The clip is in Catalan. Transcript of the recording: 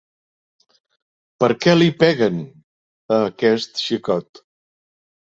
Per què li peguen, a aquest xicot?